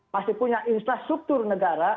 masih punya infrastruktur negara